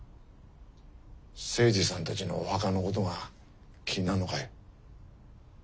精二さんたちのお墓のことが気になるのかい？